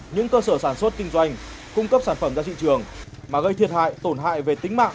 những cơ sở sản xuất kinh doanh cung cấp sản phẩm ra thị trường mà gây thiệt hại tổn hại về tính mạng